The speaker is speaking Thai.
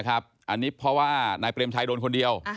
อันนี้เพราะว่านายเปรมชัยโดนคนเดียว